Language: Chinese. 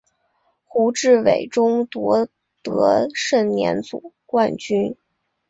胡志伟中夺得盛年组冠军。